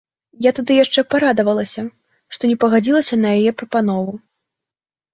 Я тады яшчэ парадавалася, што не пагадзілася на яе прапанову.